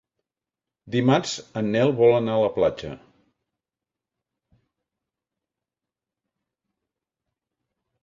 Dimarts en Nel vol anar a la platja.